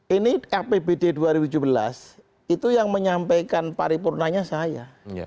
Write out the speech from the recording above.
ini apbd dua ribu tujuh belas itu yang menyampaikan paripurnanya saya